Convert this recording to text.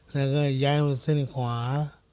แล้วก็ย้ายมาเส้นขวา